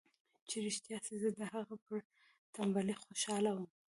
چې رښتيا سي زه د هغه پر ټمبلۍ خوشاله وم.